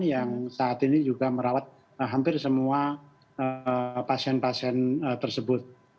yang saat ini juga merawat hampir semua pasien pasien tersebut